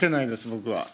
僕は。